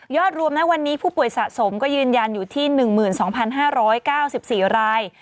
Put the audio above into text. รวมนะวันนี้ผู้ป่วยสะสมก็ยืนยันอยู่ที่๑๒๕๙๔ราย